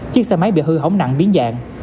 chiếc xe máy bị hư hóng nặng biến dạng